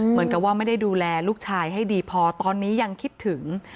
เหมือนกับว่าไม่ได้ดูแลลูกชายให้ดีพอตอนนี้ยังคิดถึง